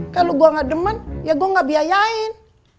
kalau gue gak deman ya gue gak biayain